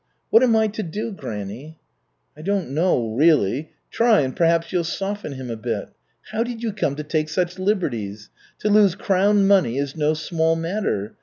What am I to do, granny?" "I don't know, really. Try and perhaps you'll soften him a bit. How did you come to take such liberties? To lose crown money is no small matter.